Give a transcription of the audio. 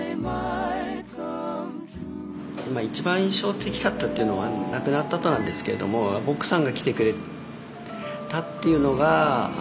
一番印象的だったっていうのは亡くなったあとなんですけれども奥さんが来てくれたっていうのが。